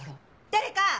誰か！